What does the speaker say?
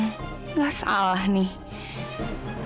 nggak salah nih